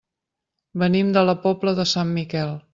Venim de la Pobla de Sant Miquel.